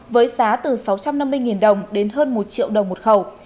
với giá từ sáu trăm năm mươi đồng đến hơn một triệu đồng một khẩu